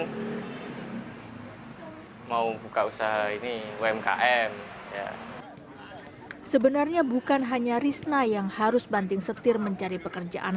hai mau buka usaha ini umkm sebenarnya bukan hanya rizna yang harus banting setir mencari pekerjaan